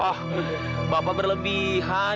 oh bapak berlebihan